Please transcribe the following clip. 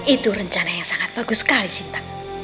itu rencana yang sangat bagus sekali sinta